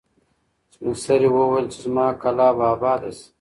سپین سرې وویل چې زما کلا به اباده شي.